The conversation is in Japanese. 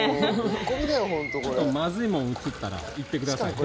まずいもん映ったら言ってくださいね。